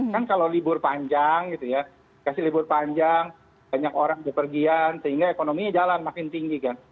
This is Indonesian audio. kan kalau libur panjang gitu ya kasih libur panjang banyak orang berpergian sehingga ekonominya jalan makin tinggi kan